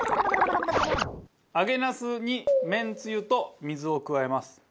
揚げなすにめんつゆと水を加えます。